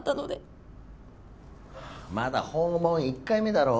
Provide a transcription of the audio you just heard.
まだ訪問１回目だろ？